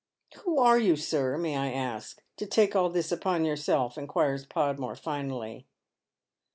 " Who are you, sir, may I ask, to take all this upon yourself ?" inquires Podmore, finally.